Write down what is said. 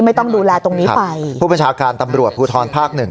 ต้องดูแลตรงนี้ไปผู้บัญชาการตำรวจภูทรภาคหนึ่ง